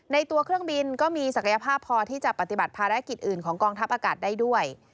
ตัวเครื่องบินก็มีศักยภาพพอที่จะปฏิบัติภารกิจอื่นของกองทัพอากาศได้ด้วย